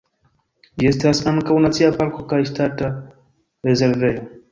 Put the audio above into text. Ĝi estas ankaŭ nacia parko kaj ŝtata rezervejo.